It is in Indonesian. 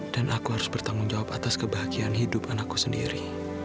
dan aku harus bertanggung jawab atas kebahagiaan hidup anakku sendiri